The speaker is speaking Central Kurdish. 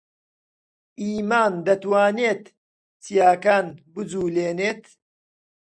ئیمان دەتوانێت چیاکان بجوڵێنێت.